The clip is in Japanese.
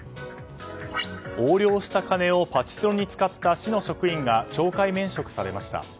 横領した金をパチスロに使った市の職員が懲戒免職されました。